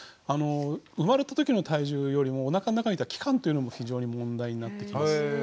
生まれたときの体重よりもおなかの中にいた期間というのも非常に問題になってきます。